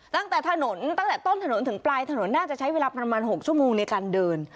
ตั้งแต่ถนนตั้งแต่ต้นถนนถึงปลายถนนน่าจะใช้เวลาประมาณ๖ชั่วโมงในการเดิน